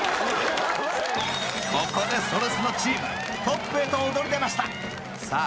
ここでそれスノチームトップへと躍り出ましたさあ